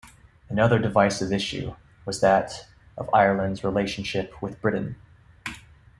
Another divisive issue was that of Ireland's relationship with Britain.